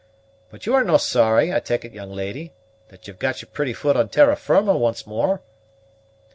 But you are no' sorry, I take it, young lady, that you've got your pretty foot on terra firma once more."